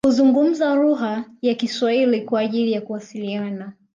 Huzungumza lugha ya kiswahili kwa ajili ya kuwasiliana